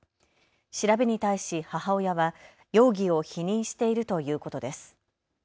調べに対し母親は容疑を否認しているということです。